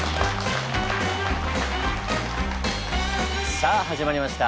さあ始まりました。